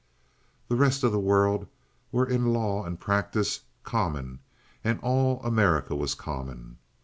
The rest of the world were in law and practice common—and all America was common.